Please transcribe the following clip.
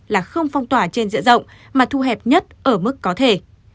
là không phong tỏa trên diện rộng mà thu hẹp nhất ở mức có thể